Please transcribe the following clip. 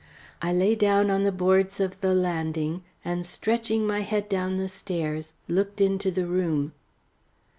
I lay down on the boards of the landing and stretching my head down the stairs, looked into the room.